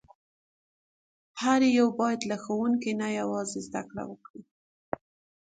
هر یو باید له ښوونکي نه یوازې زده کړه وکړي.